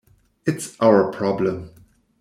It's our problem.